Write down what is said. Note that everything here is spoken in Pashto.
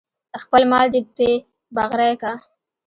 خپل مال دې پې بغرۍ که.